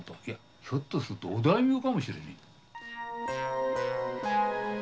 ひょっとするとお大名かもしれねえ。